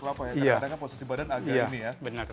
karena kadang kadang posisi badan agak ini ya